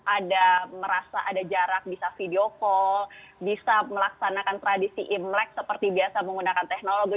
ada merasa ada jarak bisa video call bisa melaksanakan tradisi imlek seperti biasa menggunakan teknologi